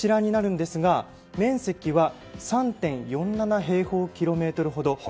面積は３．４平方キロメートルほど。